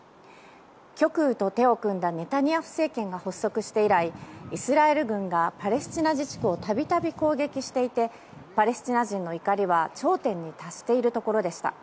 極右と手を組んだネタニヤフ政権が発足して以来、イスラエル軍がパレスチナ自治区を度々、攻撃していてパレスチナ人の怒りは頂点に達しているところでした。